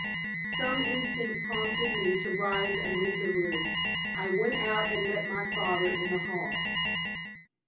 Some instinct prompted me to rise and leave the room. I went out and met my father in the hall.